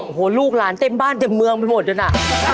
โอ้โหลูกหลานเต็มบ้านเต็มเมืองไปหมดนั่นน่ะ